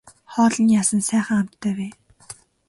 Хоол нь яасан сайхан амттай вэ.